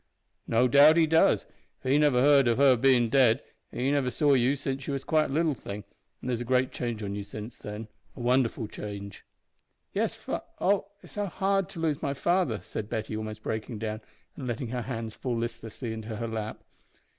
"No doubt he does, for he never heard of her bein' dead, and he never saw you since you was quite a little thing, an' there's a great change on you since then a wonderful change." "Yes, fath Oh! it is so hard to lose my father," said Betty, almost breaking down, and letting her hands fall listlessly into her lap.